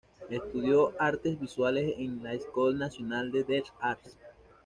Estudió artes visuales en la Ecole Nationale des Arts.